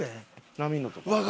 波のとか。